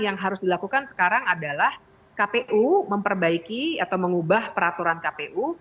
yang harus dilakukan sekarang adalah kpu memperbaiki atau mengubah peraturan kpu